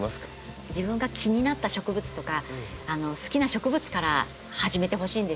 自分が気になった植物とか好きな植物から始めてほしいんですよ。